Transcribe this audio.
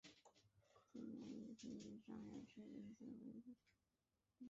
近年一日平均上下车人次的推移如下表。